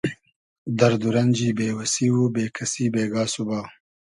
دئرد و رئنجی بې وئسی و بې کئسی بېگا سوبا